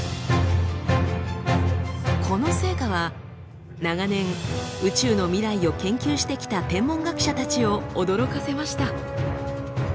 この成果は長年宇宙の未来を研究してきた天文学者たちを驚かせました。